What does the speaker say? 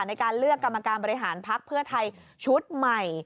ในการเลือกกรรมการบริหารพักเพื่อไทยชุดใหม่